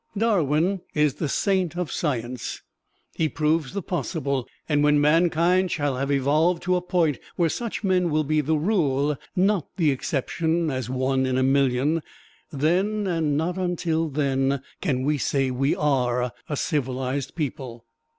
Darwin is the Saint of Science. He proves the possible; and when mankind shall have evolved to a point where such men will be the rule, not the exception as one in a million then, and not until then, can we say we are a civilized people.